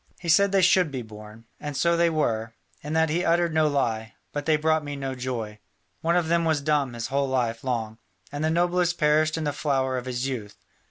He said they should be born. And so they were; in that he uttered no lie, but they brought me no joy. One of them was dumb his whole life long, and the noblest perished in the flower of his youth.